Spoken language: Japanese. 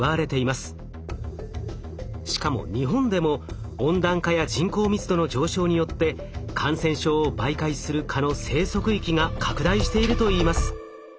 しかも日本でも温暖化や人口密度の上昇によって感染症を媒介する蚊の生息域が拡大しているといいます。